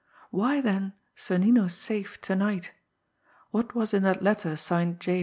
Why, then, Sonnino's safe to night? What was in that letter signed "J.